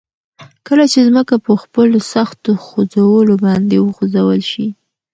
کله چې ځمکه په خپلو سختو خوځولو باندي وخوځول شي